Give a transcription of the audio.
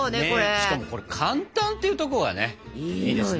しかもこれ簡単っていうとこがねいいですね。